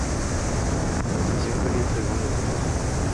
La población varía según la temporada.